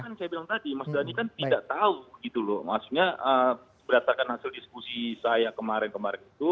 karena kan saya bilang tadi mas dhani kan tidak tahu gitu loh maksudnya berdasarkan hasil diskusi saya kemarin kemarin itu